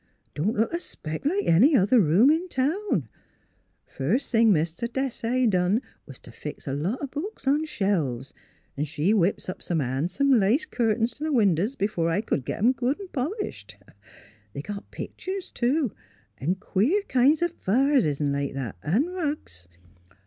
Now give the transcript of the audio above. Don't look a speck like any other room in town; first thing Mr. Dassay done was t' fix a lot o' books on shelves, 'n' she whips up some han'some lace curtains t' th' winders b'fore I c'd git 'em good 'n' polished. They got pictur's, too, 'n' queer kinds o' vases 'n' like that, 'n' rugs.